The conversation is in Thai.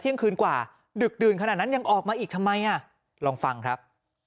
เที่ยงคืนกว่าดึกดื่นขนาดนั้นยังออกมาอีกทำไมอ่ะลองฟังครับ